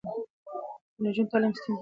د نجونو تعليم ستونزې روښانه کوي.